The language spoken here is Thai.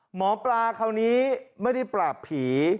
หมอปลาคราวนี้ไม่ได้ปราบผี